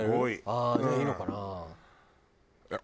ああじゃあいいのかな。